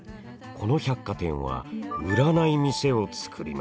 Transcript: この百貨店は売らない店を作りました。